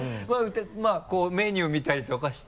まぁこうメニュー見たりとかして。